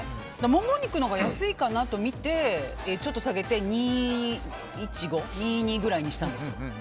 モモ肉のほうが安いかなとみてちょっと下げて２１５ぐらいにしたんですよ。